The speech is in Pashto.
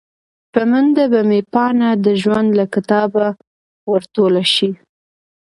په منډه به مې پاڼه د ژوند له کتابه ور ټوله شي